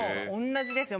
同じですよ